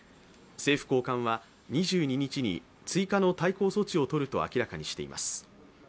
政府高官は２２日に追加の対抗措置を取ると明らかにしています。